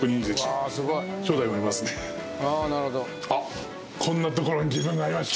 あっこんな所に自分がありました。